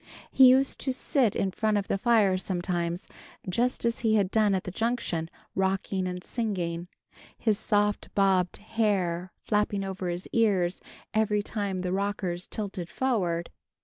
He used to sit in front of the fire sometimes, just as he had done at the Junction, rocking and singing, his soft bobbed hair flapping over his ears every time the rockers tilted forward.